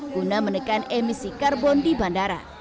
guna menekan emisi karbon di bandara